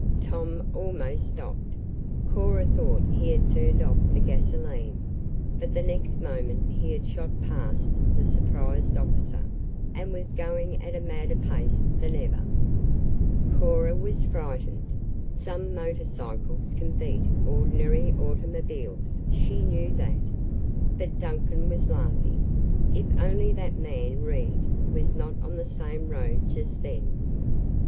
Tom almost stopped. Cora thought he had turned off the gasoline, but the next moment he had shot past the surprised officer, and was going at a madder pace than ever. Cora was frightened. Some motor cycles can beat ordinary automobiles; she knew that. But Duncan was laughing. If only that man, Reed, was not on the same road just then.